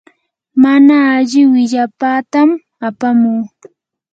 mana alli willapatam apamuu.